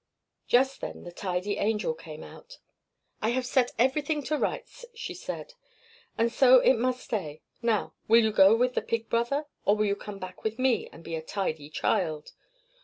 Just then the Tidy Angel came out. "I have set everything to rights," she said, "and so it must stay. Now, will you go with the Pig Brother, or will you come back with me, and be a tidy child?"